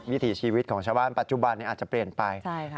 วิถีชีวิตของชาวบ้านปัจจุบันนี้อาจจะเปลี่ยนไป